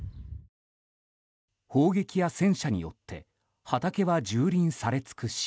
砲撃や戦車によって畑は蹂躙され尽くし。